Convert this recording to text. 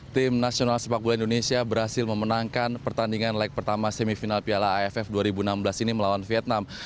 tim nasional sepak bola indonesia berhasil memenangkan pertandingan leg pertama semifinal piala aff dua ribu enam belas ini melawan vietnam